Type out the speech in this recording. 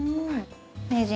名人。